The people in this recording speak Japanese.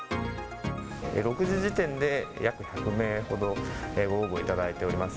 ６時時点で、約１００名ほどご応募いただいております。